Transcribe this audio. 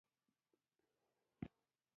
خو نصیب به دي وي اوښکي او د زړه درد رسېدلی